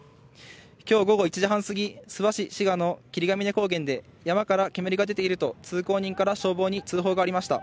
きょう午後１時半過ぎ、諏訪市四賀の霧ヶ峰高原で、山から煙が出ていると、通行人から消防に通報がありました。